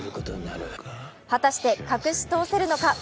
果たして隠し通せるのか。